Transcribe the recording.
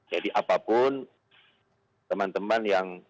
jadi apapun teman teman yang